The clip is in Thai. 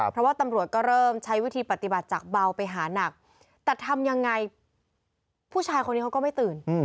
เพราะว่าตำรวจก็เริ่มใช้วิธีปฏิบัติจากเบาไปหานักแต่ทำยังไงผู้ชายคนนี้เขาก็ไม่ตื่น